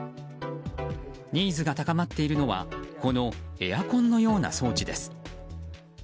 ニーズが高まっているのはこのエアコンのような装置です。